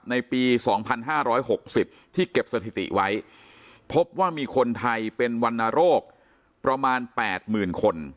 ในปีสองพันห้าร้อยหกสิบที่เก็บสถิติไว้พบว่ามีคนไทยเป็นวันโรคประมาณแปดหมื่นคน